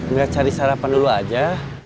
nggak cari sarapan dulu aja